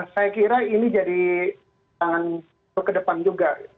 saya kira ini jadi tangan untuk ke depan juga